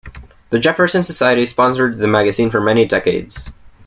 The Jefferson Society sponsored the magazine for many decades.